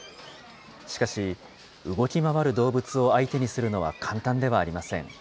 しかし、動き回る動物を相手にするのは、簡単ではありません。